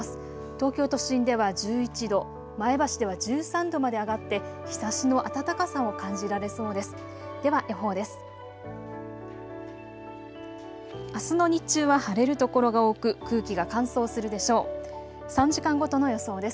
東京都心では１１度、前橋では１３度まで上がって日ざしの暖かさを感じられそうです。